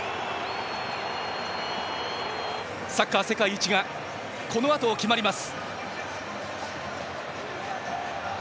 サッカー世界一がこのあと決まります。